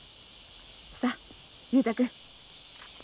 さあ雄太君。